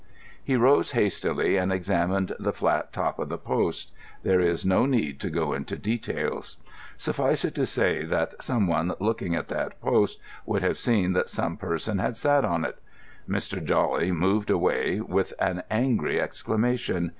He rose hastily and examined the flat top of the post. There is no need to go into details. Suffice it to say that anyone looking at that post could have seen that some person had sat on it. Mr. Jawley moved away with an angry exclamation.